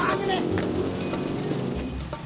hah apaan tuh deh